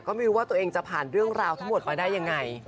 ก็ไม่รู้ว่าตัวเองจะผ่านเรื่องราวทั้งหมดมาได้ยังไง